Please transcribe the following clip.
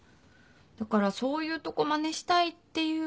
だからそういうとこまねしたいっていうか。